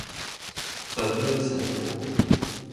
本日成果